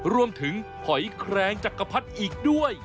รวมถึงหอยแครงจักรพัดอีกด้วย